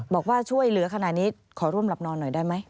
บอกว่าช่วยเหลือขนาดนี้ขอร่วมหลับนอนหน่อยได้ไหม